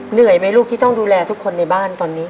เหนื่อยไหมลูกที่ต้องดูแลทุกคนในบ้านตอนนี้